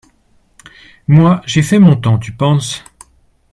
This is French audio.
Moi j’ai fait mon temps, tu penses.